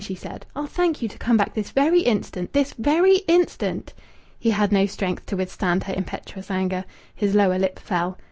she said. "I'll thank you to come back this very instant!... This very instant!" He had no strength to withstand her impetuous anger. His lower lip fell.